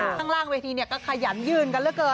ข้างล่างเวทีเนี่ยก็ขยันยื่นกันเหลือเกิน